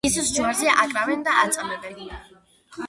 იესოს ჯვარზე აკრავენ და აწამებენ.